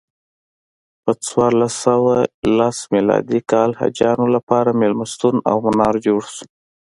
په څوارلس سوه لسم میلادي کال حاجیانو لپاره میلمستون او منار جوړ شو.